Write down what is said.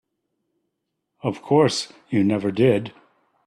Of course you never did.